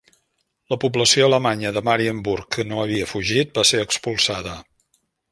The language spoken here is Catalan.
La població alemanya de Marienburg que no havia fugit va ser expulsada.